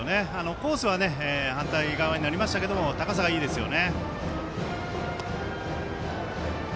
コースは反対側になりましたけど高さがいいですよね。